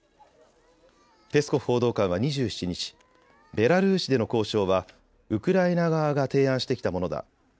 ペスコフ報道官は２７日ベラルーシでの交渉はウクライナ側が提案してきたものだ。